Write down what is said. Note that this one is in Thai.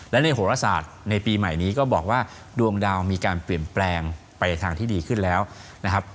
และในโหรศาสตร์ในปีใหม่นี้ก็บอกว่าดวงดาวมีการเปลี่ยนแปลงไปในทางที่ดีขึ้นแล้วนะครับ